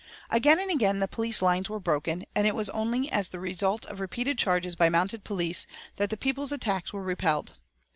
Again and again the police lines were broken, and it was only as the result of repeated charges by mounted police that the people's attacks were repelled.